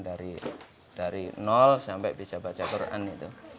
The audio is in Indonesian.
dari nol sampai bisa baca quran itu